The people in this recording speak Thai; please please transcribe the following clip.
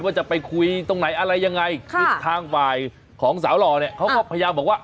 ว่าจะไปคุยตรงไหนอะไรยังไงคือทางฝ่ายของสาวหล่อเนี่ยเขาก็พยายามบอกว่า